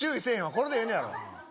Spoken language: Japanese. これでええのやろ！